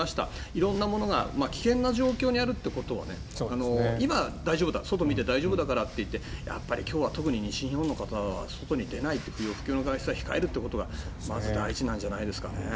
色んなものが危険な状況にあることは今、大丈夫だ外を見て大丈夫だからといってやっぱり今日は特に西日本の方は不要不急の外出を控えることがまず大事なんじゃないですかね。